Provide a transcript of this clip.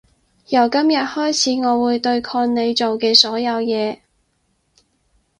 由今日開始我會對抗你做嘅所有嘢